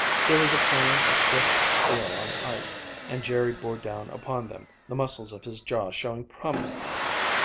There was a clang of swift steel on ice, and Jerry bore down upon them, the muscles of his jaw showing prominently.